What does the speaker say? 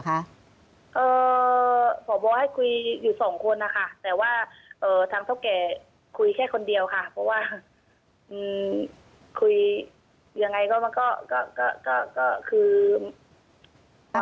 เพราะว่าคุยอย่างไรก็คือ